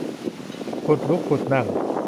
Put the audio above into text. ผุดลุกผุดนั่ง